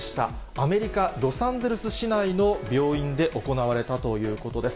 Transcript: アメリカ・ロサンゼルス市内の病院で行われたということです。